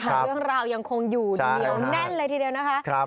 แต่เรื่องราวยังคงอยู่เหนียวแน่นเลยทีเดียวนะคะ